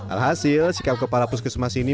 alhasil sikap kepala puskesmas ini